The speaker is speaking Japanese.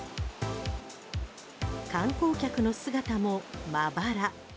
観光客の姿もまばら。